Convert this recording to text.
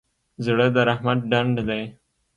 زړه د رحمت ډنډ دی.